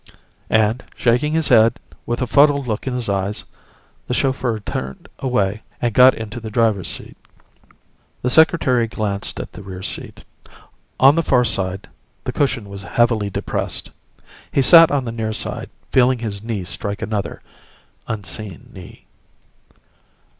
And, shaking his head, with a fuddled look in his eyes, the chauffeur turned away and got into the driver's seat. The Secretary glanced at the rear seat. On the far side, the cushion was heavily depressed. He sat on the near side, feeling his knee strike another, unseen knee.